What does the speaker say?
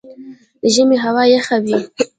د ژمي هوا یخه وي